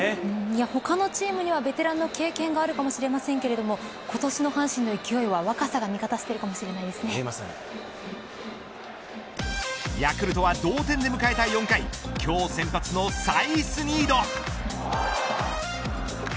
他のチームにはベテランの経験があるかもしれませんけれど今年の阪神の勢いは、若さが味方しているかもヤクルトは同点で迎えた４回今日先発のサイスニード。